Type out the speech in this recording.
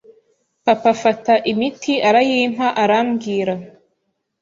papa afata imiti arayimpa arambwira